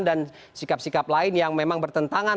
dan sikap sikap lain yang memang bertentangan